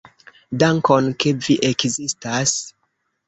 Dankon, ke vi ekzistas.